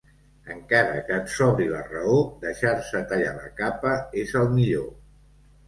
Encara que et sobri la raó, deixar-se tallar la capa és el millor.